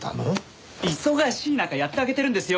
忙しい中やってあげてるんですよ